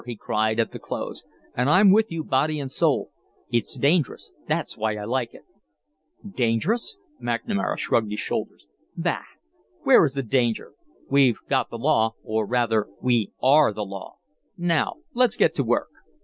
he cried, at the close, "and I'm with you body and soul. It's dangerous that's why I like it." "Dangerous?" McNamara shrugged his shoulders. "Bah! Where is the danger? We've got the law or rather, we ARE the law. Now, let's get to work."